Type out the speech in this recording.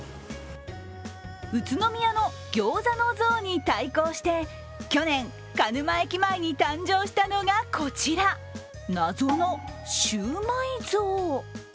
宇都宮の餃子の像に対抗して、去年、鹿沼駅前に誕生したのがこちら謎のシウマイ像？